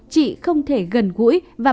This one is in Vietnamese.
chị không thể gần gũi và